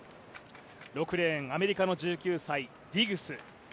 ６レーンアメリカ、１９歳ディグス。